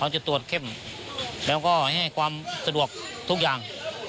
จะตรวจเข้มแล้วก็ให้ความสะดวกทุกอย่าง